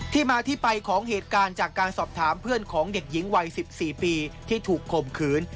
ที่มาที่ไปของเหตุการณ์จากการสอบถามเพื่อนของเด็กหญิงวัย๑๔ปีที่ถูกข่มขืน